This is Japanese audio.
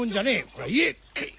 ほら言え！